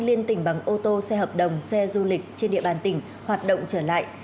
liên tỉnh bằng ô tô xe hợp đồng xe du lịch trên địa bàn tỉnh hoạt động trở lại